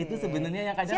itu sebenarnya yang kadang